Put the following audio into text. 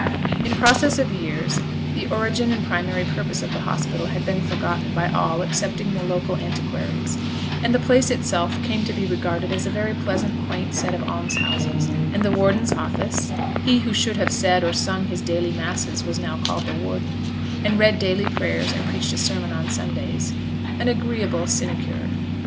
In process of years the origin and primary purpose of the hospital had been forgotten by all excepting the local antiquaries; and the place itself came to be regarded as a very pleasant quaint set of almshouses; and the warden's office (he who should have said or sung his daily masses was now called the warden, and read daily prayers and preached a sermon on Sundays) an agreeable sinecure.